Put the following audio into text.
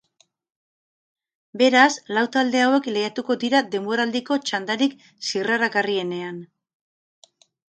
Beraz, lau talde hauek lehiatuko dira denboraldiko txandarik zirraragarrienean.